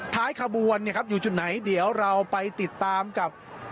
ท้ายขบวนอยู่จุดไหนเดี๋ยวเราไปติดตามกับ